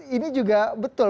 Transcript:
ini juga betul